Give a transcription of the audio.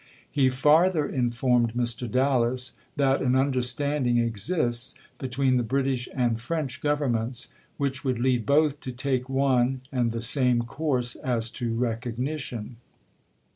He farther informed Mr. Dallas that an understanding exists between the British and French Governments which would lead both to take one and the same course as to recognition.